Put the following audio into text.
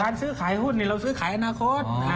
ซื้อขายหุ้นเราซื้อขายอนาคต